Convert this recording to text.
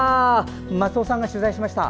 松尾さんが取材しました。